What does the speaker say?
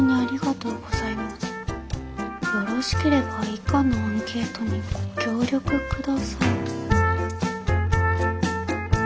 よろしければ以下のアンケートにご協力ください」。